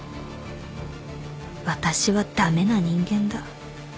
「私は駄目な人間だ」